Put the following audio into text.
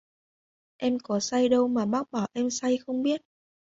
Em có say đâu mà bác bảo em không biết